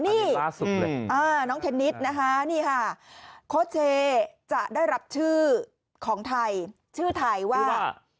นี่ล่าสุดเลยน้องเทนนิสนะคะนี่ค่ะโคเชจะได้รับชื่อของไทยชื่อไทยว่า